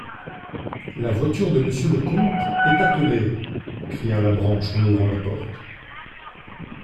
La voiture de Monsieur le comte est attelée ! cria Labranche en ouvrant la porte.